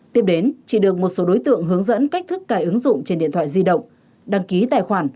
tiếp đến chị được một số đối tượng hướng dẫn cách thức cài ứng dụng trên điện thoại di động đăng ký tài khoản